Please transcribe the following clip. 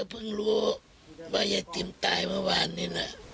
เพิ่งรู้ว่ายายติ๋มตายเมื่อวานนี้นะ